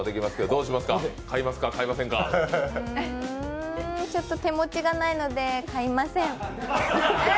うーん、ちょっと手持ちがないので買いません。